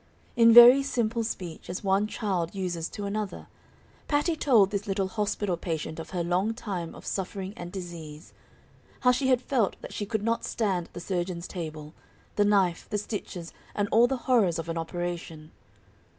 In very simple speech, as one child uses to another, Patty told this little hospital patient of her long time of suffering and disease; how she had felt that she could not stand the surgeon's table, the knife, the stitches and all the horrors of an operation.